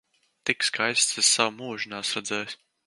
Tik skaistas es savu mūžu neesmu redzējis!